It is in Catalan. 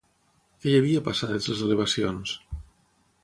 Què hi havia passades les elevacions?